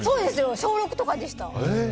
小６とかでした。